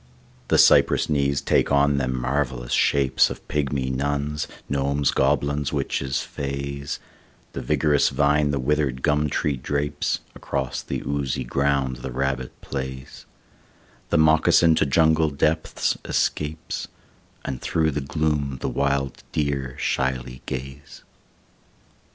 The cypress knees take on them marvellous shapes Of pygmy nuns, gnomes, goblins, witches, fays, The vigorous vine the withered gum tree drapes, Across the oozy ground the rabbit plays, The moccasin to jungle depths escapes, And through the gloom the wild deer shyly gaze.